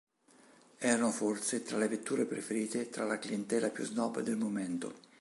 Erano forse tra le vetture preferite tra la clientela più snob del momento.